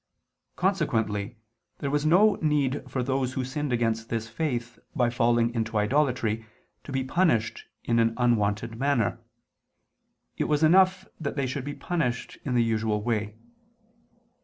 Consequently there was no need for those who sinned against this faith by falling into idolatry, to be punished in an unwonted manner: it was enough that they should be punished in the usual way.